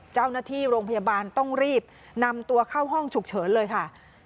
เจ้าหน้าที่โรงพยาบาลต้องรีบนำตัวเข้าห้องฉุกเฉินเลยค่ะ